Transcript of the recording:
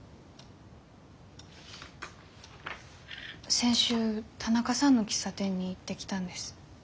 先週田中さんの喫茶店に行ってきたんです。